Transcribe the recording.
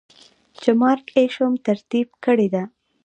چې Mark Isham ترتيب کړې ده.